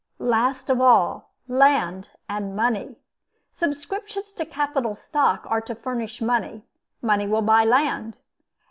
Last of all land and money. Subscriptions to capital stock are to furnish money, money will buy land.